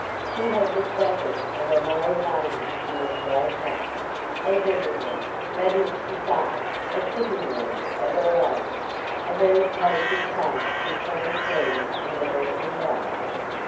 She had the status of a married lady in this great house, as everywhere; that is to say, a sitting room of her own a very cosy place between tea and the dressing bell.